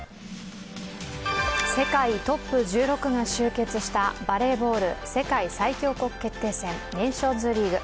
世界トップ１６が集結したバレーボール世界最強国決定戦ネーションズリーグ。